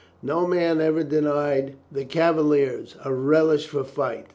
No man ever denied the Cavaliers a relish for fight.